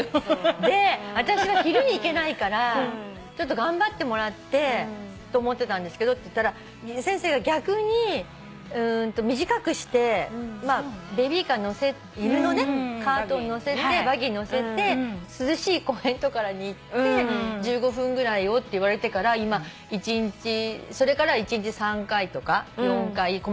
私が昼に行けないからちょっと頑張ってもらってと思ってたんですけどって言ったら先生が「逆に短くして犬のバギーに乗せて涼しい公園とかに行って１５分ぐらいを」って言われてからそれから一日３回とか４回小まめに行くようになったけど。